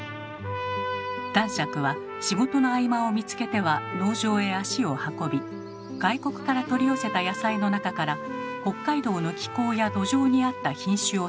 男爵は仕事の合間を見つけては農場へ足を運び外国から取り寄せた野菜の中から北海道の気候や土壌に合った品種を探しました。